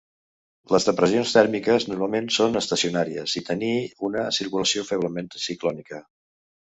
Les depressions tèrmiques normalment són estacionàries i tenir una circulació feblement ciclònica.